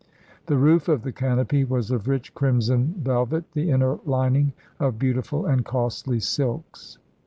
The roof of the canopy was of rich crimson velvet, the inner Hning of beautiful and costly silks.